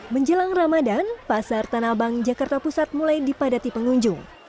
menjelang ramadan pasar tanah abang jakarta pusat mulai dipadati pengunjung